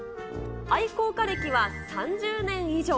愛好家歴は３０年以上。